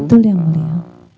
betul yang mulia